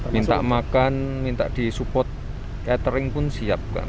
minta makan minta di support catering pun siapkan